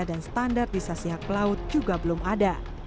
dan standar disasiak pelaut juga belum ada